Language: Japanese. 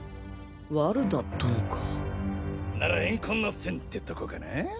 ワルだったのか？なら怨恨の線ってとこかな？